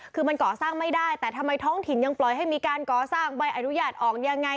คือมันก่อสร้างไม่ได้แต่ทำไมท้องถิ่นยังปล่อยให้มีการก่อสร้างใบอนุญาตออกยังไง